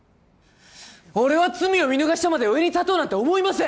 俺は罪を見逃してまで上に立とうなんて思いません！